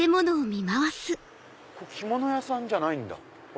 ここ着物屋さんじゃないんだ。